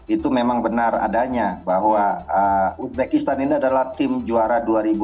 itu memang benar adanya bahwa uzbekistan ini adalah tim juara dua ribu dua puluh